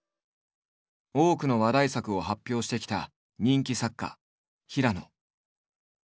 多くの話題作を発表してきた人気作家平野。